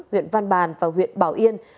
huyện văn bàn và huyện bảo yên